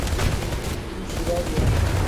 Como será, Diana?